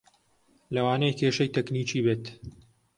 لەوانەیە کێشەی تەکنیکی بێت